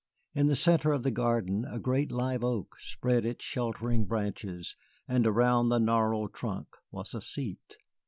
In the centre of the garden a great live oak spread its sheltering branches. Around the gnarled trunk was a seat.